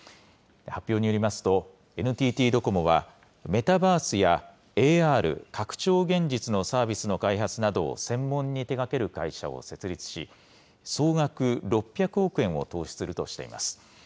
発表によりますと、ＮＴＴドコモはメタバースやＡＲ・拡張現実のサービスの開発などを専門に手がける会社を設立し、総額６００億円を投資するとしています。